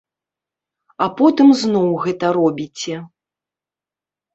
А потым зноў гэта робіце.